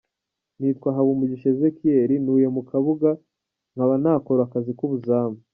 Nitwa Habumugisha Ezechiel, ntuye mu Kabuga, nkaba nta nkora akazi k’ubuzamu “.